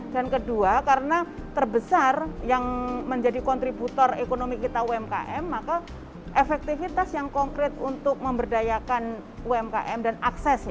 dan kedua karena terbesar yang menjadi kontributor ekonomi kita umkm maka efektifitas yang konkret untuk memberdayakan umkm dan akses ya